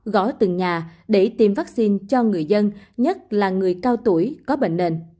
gó từng nhà để tiêm vaccine cho người dân nhất là người cao tuổi có bệnh nền